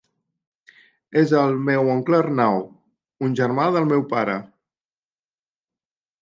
És el meu oncle Arnau, un germà del meu pare.